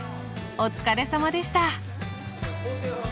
お疲れさまでした。